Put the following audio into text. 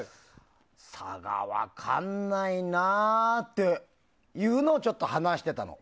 差が分からないなっていうのをちょっと話してたの。